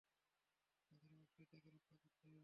আমাদের অবশ্যই তাকে রক্ষা করতে হবে।